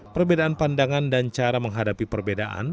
perbedaan pandangan dan cara menghadapi perbedaan